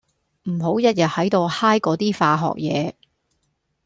唔好日日喺度 high 嗰啲化學嘢